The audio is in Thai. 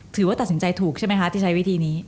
ถือว่าตัดสินใจถูกใช่ไหมคะที่ใช้วิธีนี้